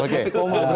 terus kasih koma